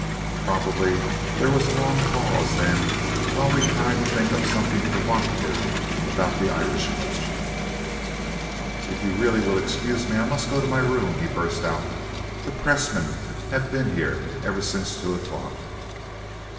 Probably there was a long pause then while we tried to think up something provocative about the Irish question. "If you really will excuse me, I must go to my room," he burst out. "The press men have been here ever since two o'clock."